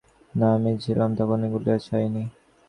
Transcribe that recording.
না, আমি যখন ছিলাম না তখনও গুলি চালায়নি।